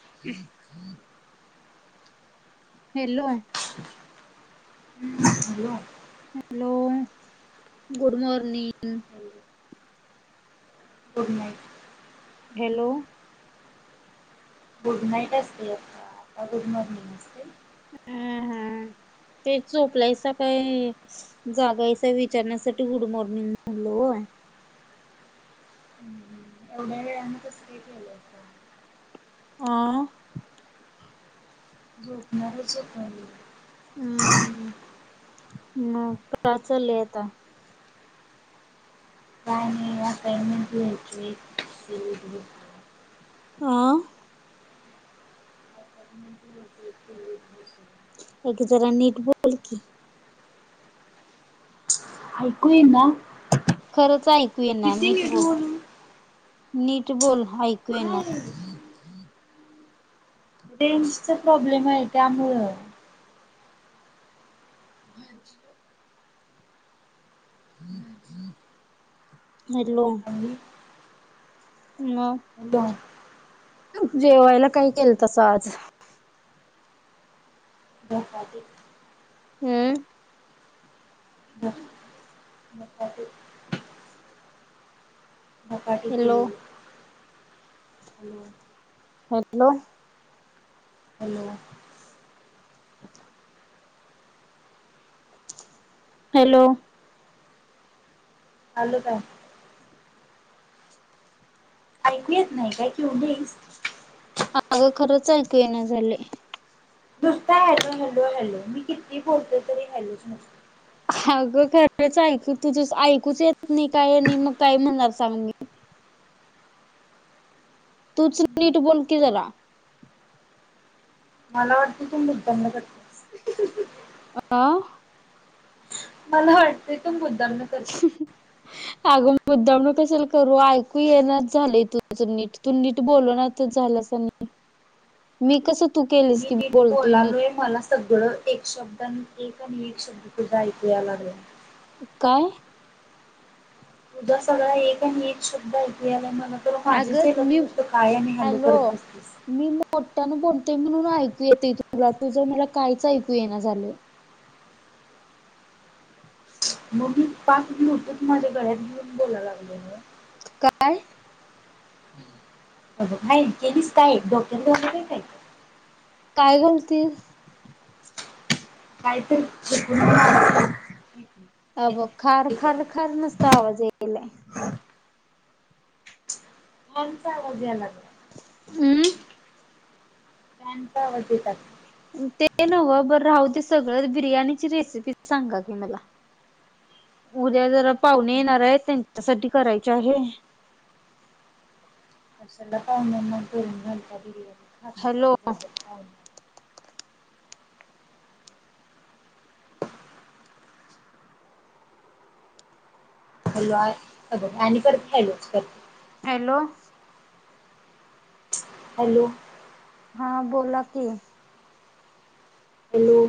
हम्म हम्म [unintelligible] [inaudible] हॅलो! ब [inaudible] hello! Good morning good night hello! Good night असतय आता, का गुड मॉर्निंग असतय? हं हं ते झोपलायसा काय? जागयसा विचारण्यासाठी गुड मॉर्निंग म्हणलो वो एवढ्या वेळाने कसली आलीया झोप? हा? झोपणारच होते, मी हम्, हम् मग काय चालंय आता? काय नाही, असाईनमेंट लिहियाची [unintelligible] आ हम ह [inaudible] एक [inaudible] अग जरा नीट बोल कि ऐकू येई ना? खरंच ऐकू येईना नीट बोल नीट बोल ऐकू येईना काय रेंजचा प्रॉब्लेमाय, त्यामुळं हांज [unintelligible] [inaudible] निरलोन आणि नं हॅलो जेवायला कायं केलंतासा आज धपाटे हम्म [unintelligible] धपाटे धपाटे हॅलो केलेले. हॅलोन ह्यातनं हॅलो हॅलो आलू काय ऐकू येत नायं काय क्यू बेस अगं खरंच ऐकू येईना झालयं. नुसत हॅलो हॅलो हॅलो मी किती बोलते तरी हॅलोच नुस अगं खरंच ऐकी तुझे ऐकूच येत नय काय आणि म काय म्हणणार सांग मी तूच नीट बोल की जरा मला वाटत तु मुद्दामुन करतेस अ आ मला वाटतय तु मुद्दामण करते. अगं मुद्दामुण कशाल करू ऐकू येईनाच झालयं तुझं नीट तू नीट बोलोनात झालंच नी, मी कसं तू केलस मी की नीट बोलतोय नीट बोलालोय मला सगळं एक शब्दां एक नीट एक शब्द सुुद्धा ऐकू आला नाय. काय? तुझा सगळा एक नीट शब्द ऐकु यायलाय मला तर माझीच हाय अगं ग तु मी नुसतं काय आणि हॅलो करत बसतीस. मी मोठ्यान बोलते म्हणून ऐकू येते तुला तुझं मला काहीच ऐकू येय ना झालयं. मग मी पाच ब्लूटूथ माझ्या गड्यात घेऊन बोलायला लागलोयं गं काय? अगं हाय इतक्या दिसताय डोक्यात घालू का काय काय घालतीस काहीतरी चुकून [unintelligible] एक मिनिट अग खार खार खार नुसता आवाज यायलाय. फोन चा आवाज याय लागलाय. हम्म फॅन चा आवाज येत अस हू ते नव्ह बरं राहू ते सगळं बिर्याणीची रेसिपी सांगा की मला उद्या जरा पाहुणी येणार आहेत त्यांच्यासाठी करायची आहे. कशाला पाहुण्यांना करून घालता बिर्याणी खातात हॅलो आणि जातात पाहुणे. हॅलो आय हे ब आणि परत हॅलोच करते हॅलो हॅलो हा बोला की, हॅलो,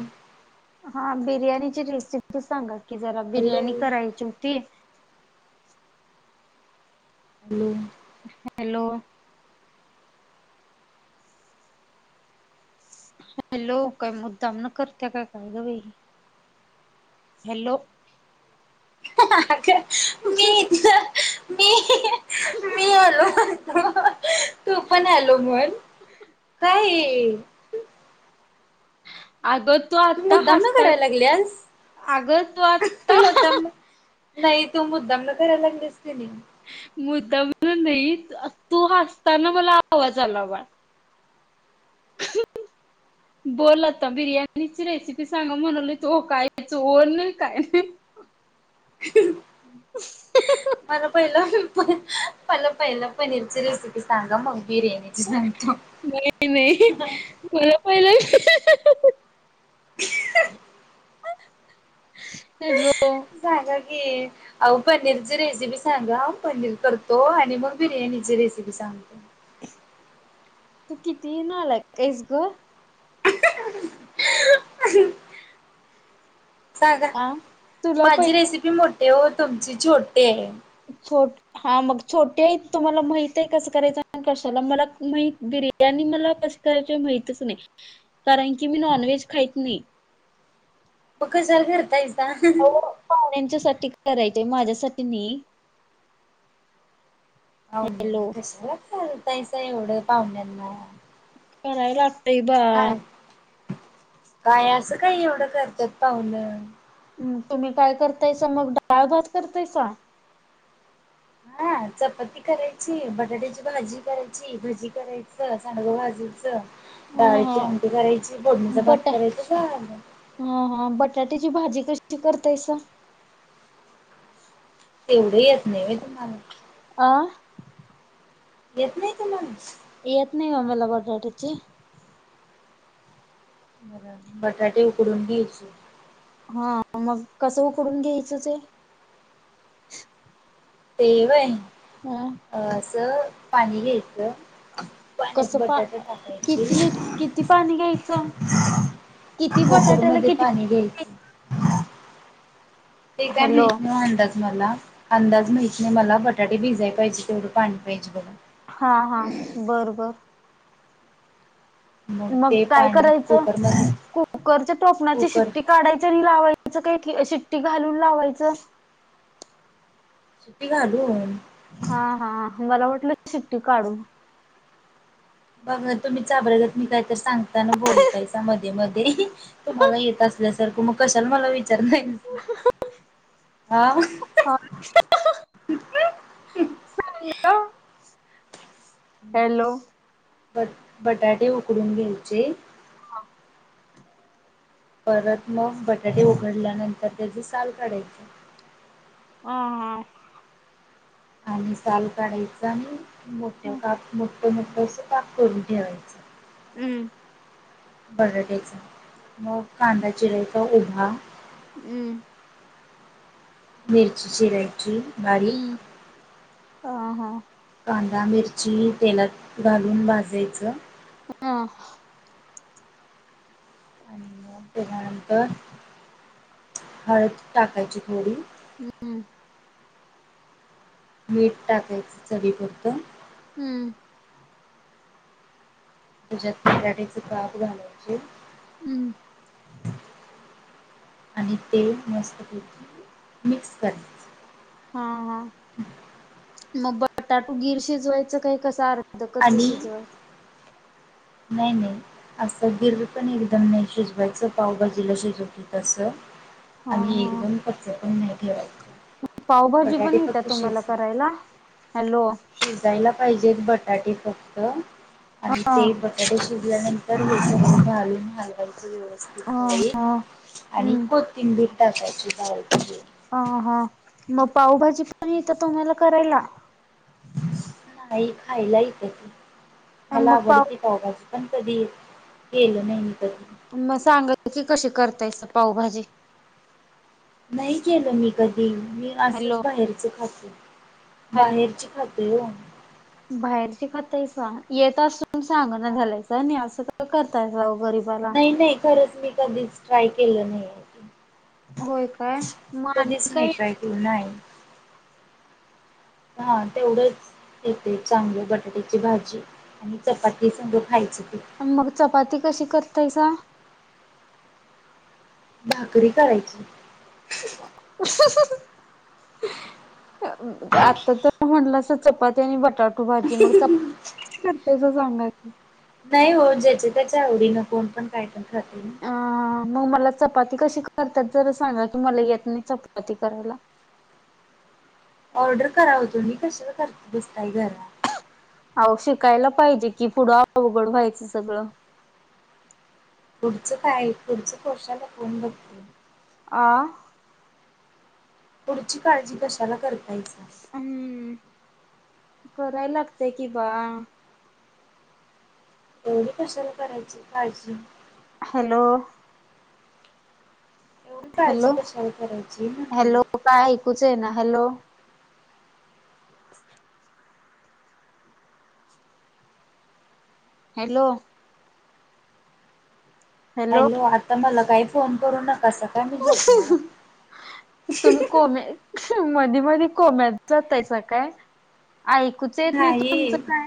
हा बिर्याणीची रेसिपी सांगा की जरा हॅलो बिर्याणी करायची होती. हम्म. हॅलो, हॅलो काय मुद्दाम न करत्या काय गं बाई हॅलो, मी [unintelligible] मी आलो, तू पण आलो मण काय अगं तू आता मुद्दामनं हसता करायला लागल्यास? अगं तू आत्ता मुद्दामनं नाही तू मुद्दामनं करायला लागलीस की नाही. मुद्दाम म्हणून नाही तू हसताना मला आवाज आला वाट बोल आता बिर्याणीची रेसिपी सांगा म्हणाली त का याचो ओ नाही काय नाही. [unintelligible] मला पहिलं मला पहिलं पनीरची रेसिपी सांगा मग बिर्याणी नाही नाही मला पहिलं [unintelligible] हॅलो, सांगा की. अहो पनीरची रेसिपी सांगा पनीर करतो आणि मग बिर्याणीची रेसिपी सांग. तू किती नालायक तेस गं. [unintelligible] सांगा आ तुला माझी पहिले रेसिपी मोठी हो तुमची छोटी आहे. छोट हा मग छोटे आहे तुम्हाला माहित आहे कसं करायचं कशाला मला माह दिर त्यांनी मला कसे करायचे माहितच नाही कारण की मी नॉनव्हेज खायत नाही. मग कशाला कर तायसा पाव्हण्याच्या साठी करायचेंय माझ्यासाठी नाही. पाहुण्यांना हॅलो कशाला चालतायच एवढं पाहुण्यांना करायला. काय काय असं काही एवढं करतात पाहुून. तुम्ही काय करतायस मग डाळ भात करतायसा. हा चपाती करायची, बटाट्याची भाजी करायची, भजी करायचं, सांडग भाजीचं अं डाळीची हं आमटी करायची, फोडणीचा भात करायच, झालं. ह हा बटाट्याची भाजी कशी करतायस? तेवढं येत नाही ओ तुम्हाला अ येत नाही त माणूस येत नाही आम्हला बटाट्याची. बर बटाटे उकडून घ्यायचे. हा मग कसं उकडून घ्यायचं ते. तेव व्हय. हा. अ असं पाणी घ्यायचं. पाण्यात कसं पा बटाटा टाकायचे. किती लिट किती पाणी घ्यायचं? किती मोटर बटाट्याला मध्ये किती पाणी गेल. ते काय हॅलो माहीती नाही, अंदाज. मला, अंदाज माहीत नाही मला, बटाटे भिजाय पाहिजे तेवढं पाणी पाहिजे बघ. हा-हा, बर-बर. मग ते काय पाणी करायचं, कुकरमध्ये कुकरच्या टोपणाची कुकर शिट्टी काढायचं आणि लावायचं काय, शिट्टी घालून लावायचं. शिट्टी घालून. हा-हा मला वाटलं शिट्टी काढून. बघ तुम्ही चाबऱ्यागत मी काही तर सांगताना बोलतायसा मध्ये-मध्ये. तुम्हांला येत असल्यासारखं, मग कशाला मला विचार नाही, हा. हा. सांगलं हॅलो. बट-बटाटे उकडून घ्यायचे. परत मग, बटाटे उघडल्यानंतर त्याची साल काढायची. हा-हा. आणि साल काढायचा आणि मोठ्या काप, मोठं-मोठं असं काप करून ठेवायचं. हम्म. बटाटाच, मग कांदा चिरयचा उभा. हम्. मिरची चिरायची. बारीक हम्म, हा-हा. कांदा, मिरची तेलात घालून भाजायचं. हा. आणि मग त्याच्यानंतर, हळद टाकायची थोडी. हम्म मीठ टाकायचं चवी पुरतं. हम्म. तुझ्यात बटाटा चे काप घालायचे. हम्म. आणि ते, मस्त पैकी मिक्स करायचं. हा-हा मग बटाटू गिर शिजवायचं काही कस अर् धकच शिजवाय च. नाही-नाही. असं गिर पण एकदम नाही शिजवायचं, पावभाजीला शिजवत तसं. हा आणि् हा एकदम, कच्च पण नाही ठेवायचे. पावभाजी पण येत्या तुम्हाला करायला, हॅलो. शिजायला पाहिजेत बटाटे फक्त, हा आणि ते ब त्या शिजल्यानंतर घालून हलवाई च हा स्ववस्तिती. हा [inaudible] आणि हम्म कोथिंबीर टाकायची. हा-हा म पावभाजी पण येते तुम्हाला करायला. नाही खायला येत्या ती, मला मग पाव आवडते पावभाजी. पण कधी, केलं नाही मी कधी. मग सांगाल की कशी करताय पावभाजी. नाही केलं मी कधी, मी हॅलो असच बाहेरच खाते, हॅलो बाहेरचे खात. तोय ओ. बाहेरची खातायसा येत असून सांगना झालायसा आणि असं करताय गरीब नाही नाही खरंच मी कधीच ट्राय केलं नाहीये. होय काय मग आणि कधीच नाही काय ट्राय येते केलं नाय. हा तेवढंच एक ते चांगलं बटाट्याची भाजी आणि चपाती संग खायच ते. आणि मग चपाती कशी करतायसा? भाकरी करायची. आता तर म्हटलं अस चपात त्यानी बटाटू भाजी मग चप्प करतेयस सांगा की? नाही हो जेच्या तेच्या आवडीनं कोणपण कायपण खातयं ना. ह म मला चपाती कशी करतात जरा सांगा की मला येत नाही चपाती करायला. ऑर्डर करा हो तुम्ही कशाला करत बसताय घरात. अहो शिकायला पाहिजे कि पुढं अवघड व्हायचं सगळं. पुढचं काय पुढचं कशाला कोण बघतय? आ. पुढची काळजी कशाला करतायसा. हम्म कराय लागतीया कि बा एवढी कशला करायची काळजी हॅलो. एवढी काळजी हॅलो कशाला करायची ना हॅलो म्हणाले. काय ऐकूच येईना हॅलो. [inaudible] हॅलो. हॅलो आता मला काही फोन करू नकासा काय मी झोपणार हायं. तुम्ही कोम्या मधी मधी कोम्यात जातायसा काय? ऐक कूच येत नाही तुमच काय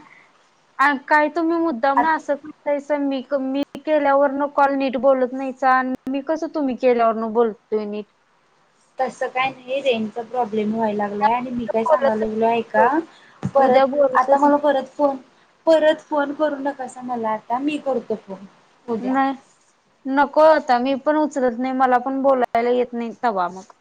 ऐकाय तुम्ही आ मुद्दामनं असं तैसं मीक मी केल्यावर न कॉल नीट बोलत नाहीसा मी कसं तुम्ही केल्यावर न बोलतोय नीट. तसं काय नाही रेंजचा प्रॉब्लेम व्हायला लागलाय आणि मी काय सांगाय बोलतच लागलोय नाही ऐका. उद्या परत आता बोलतच मला नाही परत फोन परत फोन करू नकासा मला आता मी करतो फोन. उद्या. नाही नको आता मी पण उचलत नाही मला पण बोलायला येत नाही तवा मग